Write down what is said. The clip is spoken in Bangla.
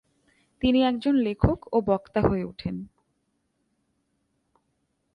তিনি একজন লেখক ও বক্তা হয়ে উঠেন।